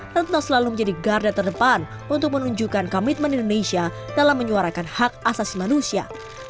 retno selalu menjadi garda terdepan untuk menunjukkan komitmen indonesia dalam menyuarakan hak asasi manusia